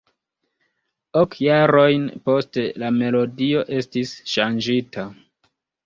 Ok jarojn poste la melodio estis ŝanĝita.